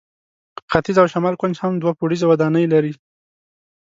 ختیځ او شمال کونج هم دوه پوړیزه ودانۍ لرله.